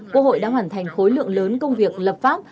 quốc hội đã hoàn thành khối lượng lớn công việc lập pháp